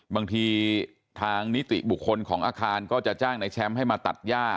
บางทีทางนิติบุคคลของอาคารก็จะจ้างในแชมป์ให้มาตัดย่า